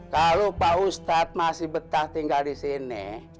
kalau pak ustadz masih betah tinggal disini